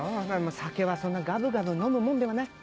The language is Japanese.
酒はそんなガブガブ飲むもんではない。